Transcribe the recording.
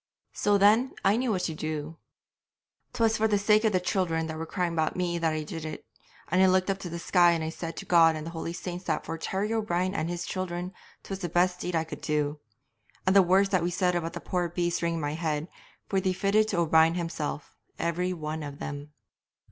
'So then, I knew what I would do. 'Twas for the sake of the children that were crying about me that I did it, and I looked up to the sky and I said to God and the holy saints that for Terry O'Brien and his children 'twas the best deed I could do; and the words that we said about the poor beast rang in my head, for they fitted to O'Brien himself, every one of them.